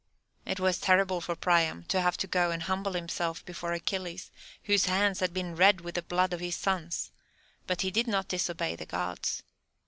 It was terrible for Priam to have to go and humble himself before Achilles, whose hands had been red with the blood of his sons, but he did not disobey the Gods.